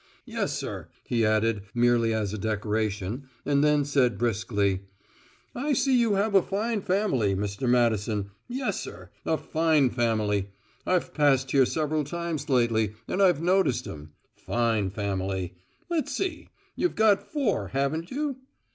"Yes sir," he added, merely as a decoration, and then said briskly: "I see you have a fine family, Mr. Madison; yes sir, a fine family; I've passed here several times lately and I've noticed 'em: fine family. Let's see, you've got four, haven't you?"